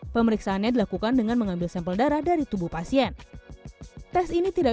pemeriksaannya dilakukan dengan mengambil sampel darah dari tubuh pasien tes ini tidak